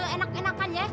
enak lu enak enakan ya